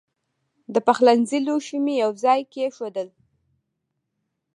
د پخلنځي لوښي مې یو ځای کېښودل.